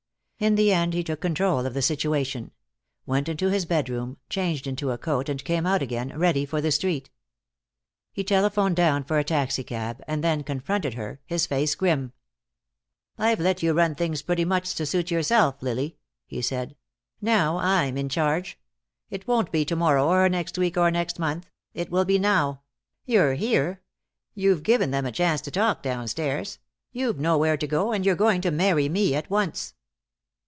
In the end he took control of the situation; went into his bedroom, changed into a coat, and came out again, ready for the street. He telephoned down for a taxicab, and then confronted her, his face grim. "I've let you run things pretty much to suit yourself, Lily," he said. "Now I'm in charge. It won't be to morrow or next week or next month. It will be now. You're here. You've given them a chance to talk downstairs. You've nowhere to go, and you're going to marry me at once."